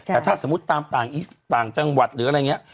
แต่ถ้าสมมุติตามต่างจังหวัดหรืออะไรอย่างนี้